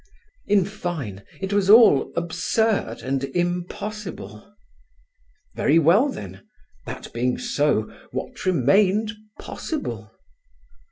In fine, it was all absurd and impossible. Very well, then, that being so, what remained possible?